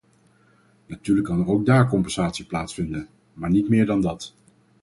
Natuurlijk kan er ook daar compensatie plaatsvinden, maar niet meer dan dat.